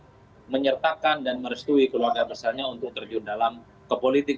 dan kekuasaan politik itu juga harus dilakukan dan merestui keluarga bersenya untuk kejuwaraan ke politik